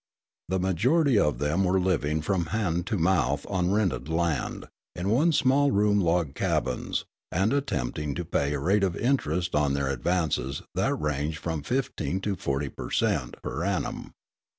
The majority of them were living from hand to mouth on rented land, in small one room log cabins, and attempting to pay a rate of interest on their advances that ranged from fifteen to forty per cent. per annum.